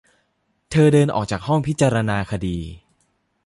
เธอเดินออกจากห้องพิจารณาคดี